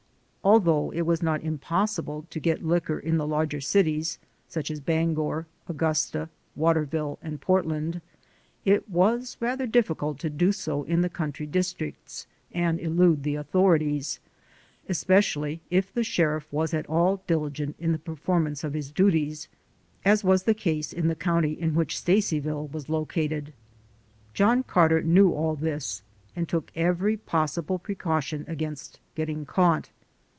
Although it was not impossible to get liquor in the larger cities, such as Bangor, Augusta, Waterville and Portland, it was rather difficult to do so in the country districts and elude the authorities, especially if the sheriff was at all diligent in the performance of his duties, as was the case in the county in which Stacyville was located. John Carter knew all this and took every possible precaution against getting caught.